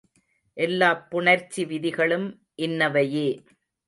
எல்லாப் புணர்ச்சி விதிகளும் இன்னவையே.